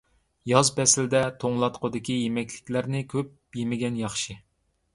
ياز پەسلىدە توڭلاتقۇدىكى يېمەكلىكلەرنى كۆپ يېمىگەن ياخشى.